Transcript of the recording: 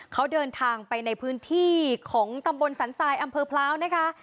เขาเดินทางไปในพื้นที่ของตำบลสันทรายอำเภอพร้าวนะคะ